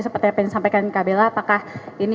seperti yang penyampaikan kak bella apakah ini